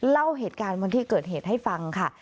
เล่าเหตุการณ์วันที่เกิดเหตุให้ฟังค่ะ